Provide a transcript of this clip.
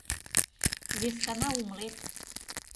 Вескана умылет.